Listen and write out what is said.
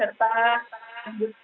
yang ada di